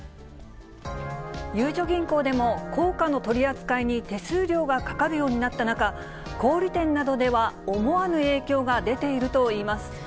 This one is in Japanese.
ゆうちょ銀行でも硬貨の取り扱いに手数料がかかるようになった中、小売り店などでは思わぬ影響が出ているといいます。